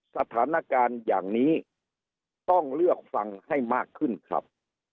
สถานการณ์อย่างนี้ต้องเลือกฟังให้มากขึ้นครับ